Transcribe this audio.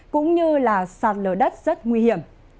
cũng như là sạt lở đất rất nguy hiểm